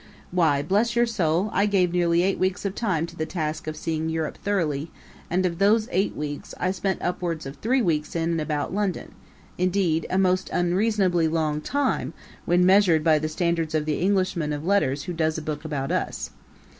Why, bless your soul, I gave nearly eight weeks of time to the task of seeing Europe thoroughly, and, of those eight weeks, I spent upward of three weeks in and about London indeed, a most unreasonably long time when measured by the standards of the Englishman of letters who does a book about us.